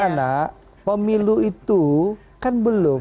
anak pemilu itu kan belum